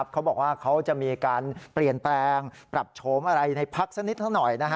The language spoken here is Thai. เขาบอกว่าเขาจะมีการเปลี่ยนแปลงปรับโฉมอะไรในพักสักนิดเท่าหน่อย